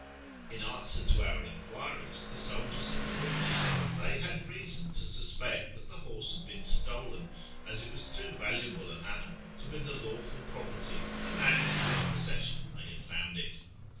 lu answer to our enquiries, the soldiers informed us that they had reason to suspect that the horse had been stolen, as it was too valuable an animal to be the lawful property of the man in whose possession they had found it.